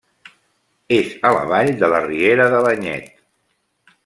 És a la vall de la riera de l'Anyet.